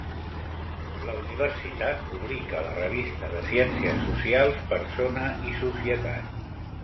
La universitat publica la revista de ciències socials "Persona i Societat".